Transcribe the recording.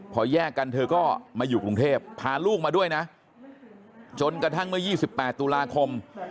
พอแยกกันเธอก็มาอยู่กรุงเทพพาลูกมาด้วยนะจนกระทั่งเมื่อ๒๘ตุลาคม